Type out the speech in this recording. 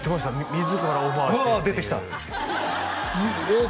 自らオファーしてうわ出てきたえっ？